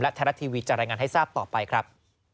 ไทยรัฐทีวีจะรายงานให้ทราบต่อไปครับ